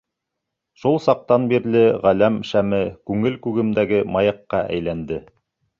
Шул саҡтан бирле ғаләм шәме күңел күгемдәге маяҡҡа әйләнде.